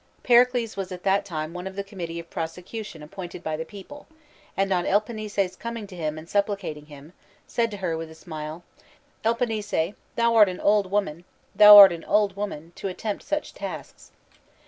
Pericles was at that time.one of the committee of prosecution appointed by the people, and on Elpinice's coming to him and supplicating him, said to her with a smile :" Elpinice, thou art an old woman, thou art an old woman, to attempt such tasks."